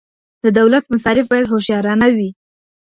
د دولت مصارف باید هوښیارانه وي.